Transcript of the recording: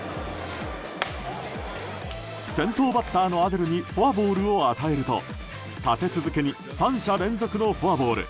先頭バッターのアデルにフォアボールを与えると立て続けに３者連続のフォアボール。